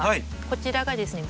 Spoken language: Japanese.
こちらがですね